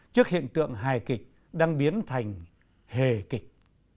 trước hiện tượng hài kịch đang biến thành hề kịch